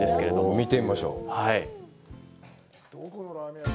見てみましょう。